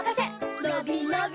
のびのび